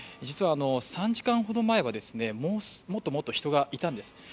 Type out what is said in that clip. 実は３時間ほど前はもっともっと人がいたんです。